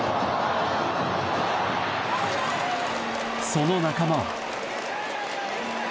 その仲間は。